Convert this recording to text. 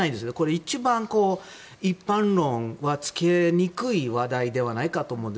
一番一般論はつけにくい話題ではないかと思うんです。